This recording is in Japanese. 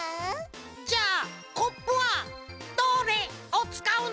じゃあコップはドレをつかうの？